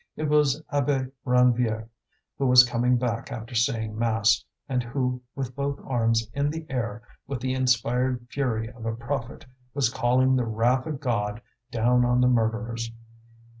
It was Abbé Ranvier, who was coming back after saying mass, and who, with both arms in the air, with the inspired fury of a prophet, was calling the wrath of God down on the murderers.